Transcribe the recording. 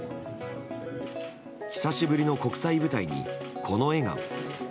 久しぶりの国際舞台にこの笑顔。